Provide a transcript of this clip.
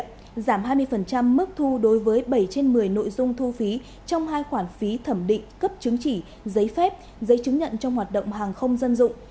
giảm hai mươi mức thu đối với bảy trên một mươi nội dung thu phí trong hai khoản phí thẩm định cấp chứng chỉ giấy phép giấy chứng nhận trong hoạt động hàng không dân dụng